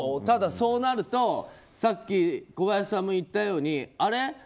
ただ、そうなるとさっき小林さんも言ったようにあれ？